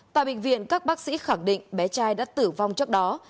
tại bệnh viện các bác sĩ khẳng định bé trai đã tử vong trước đó